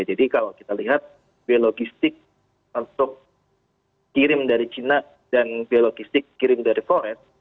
jadi kalau kita lihat biaya logistik untuk kirim dari cina dan biaya logistik kirim dari flores